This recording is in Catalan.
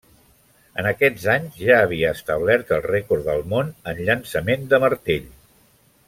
En aquests anys ja havia establert el rècord del món en llançament de martell.